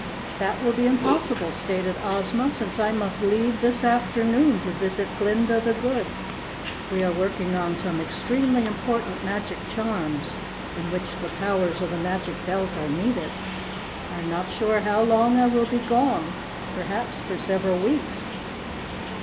"That will be impossible," stated Ozma, "since I must leave this afternoon to visit Glinda the Good. We are working on some extremely important magic charms in which the powers of the Magic Belt are needed. I am not sure how long I will be gone perhaps for several weeks.